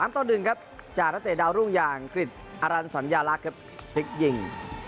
๓ตอนหนึ่งครับจากนัดเตะดาวรุ่งอย่างกฤตอารันสัญญาลักษณ์ครับคลิกยิง